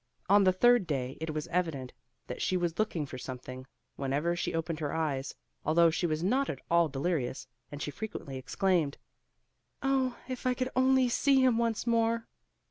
On the third day, it was evident that she was looking for something, whenever she opened her eyes, although she was not at all delirious; and she frequently exclaimed, "Oh! if I could only see him once more!"